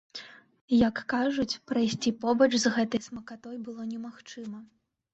Як кажуць, прайсці побач з гэтай смакатой было немагчыма!